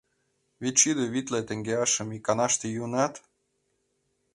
Вичшудӧ витле теҥгеашым иканаште йӱынат?